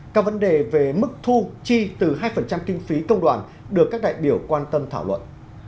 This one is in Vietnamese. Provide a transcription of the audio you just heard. các vấn đề về mức thu chi từ hai kinh phí công đoàn được các đại biểu quan tâm thảo luận